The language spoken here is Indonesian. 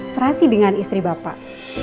serasi dengan istri bapak